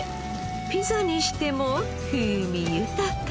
ピザにしても風味豊か。